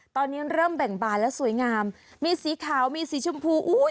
ตอนนี้เริ่มแบ่งบานแล้วสวยงามมีสีขาวมีสีชมพูอู้ย